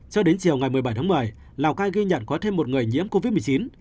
cho đến chiều ngày một mươi bảy tháng một mươi lào cai ghi nhận có thêm một người nhiễm covid một mươi chín